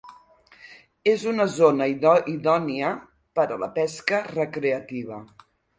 És una zona idònia per a la pesca recreativa.